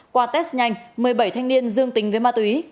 qua test nhanh một mươi bảy thanh niên dương tính với ma túy